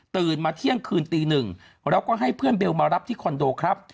มาเที่ยงคืนตีหนึ่งแล้วก็ให้เพื่อนเบลมารับที่คอนโดครับ